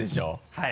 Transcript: はい。